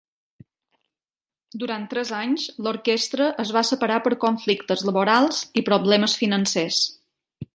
Durant tres anys, l'orquestra es va separar per conflictes laborals i problemes financers.